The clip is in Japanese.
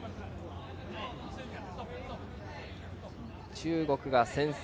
中国が先制。